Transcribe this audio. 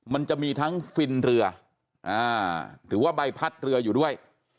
มันจะมีทั้งฟินเรือหรือว่าใบพัดเรืออยู่ด้วย